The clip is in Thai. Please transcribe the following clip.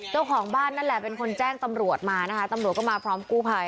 เจ้าของบ้านนั่นแหละเป็นคนแจ้งตำรวจมานะคะตำรวจก็มาพร้อมกู้ภัย